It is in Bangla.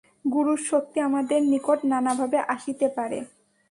গুরুর শক্তি আমাদের নিকট নানাভাবে আসিতে পারে।